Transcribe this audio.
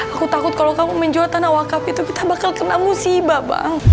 aku takut kalo kamu menjual tanah wakaf itu kita bakal kena musibah bang